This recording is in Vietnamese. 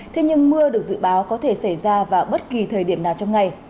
thế nhưng mưa được dự báo có thể xảy ra vào bất kỳ thời điểm nào trong ngày